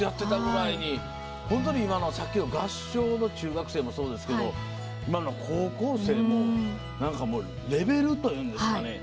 さっきの合唱の中学生もそうですけど今の高校生もレベルというんですかね。